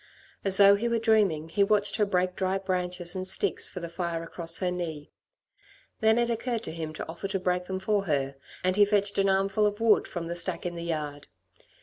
As though he were dreaming, he watched her break dry branches and sticks for the fire across her knee. Then it occurred to him to offer to break them for her, and he fetched an armful of wood from the stack in the yard.